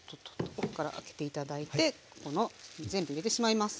奥から開けて頂いて全部入れてしまいます。